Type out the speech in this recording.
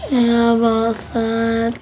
iya pak ustadz